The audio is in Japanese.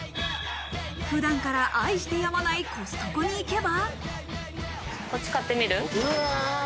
普段から愛してやまないコストコに行けば。